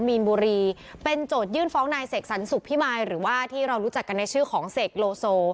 มีนบุรีเป็นโจทยื่นฟ้องนายเสกสรรสุขพิมายหรือว่าที่เรารู้จักกันในชื่อของเสกโลโซ